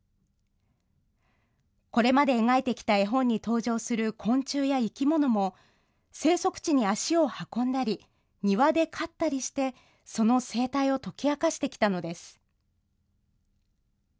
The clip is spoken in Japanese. これまで描いてきた絵本に登場する昆虫や生き物も、生息地に足を運んだり、庭で飼ったりして、その生態を解き明かしてきたのです。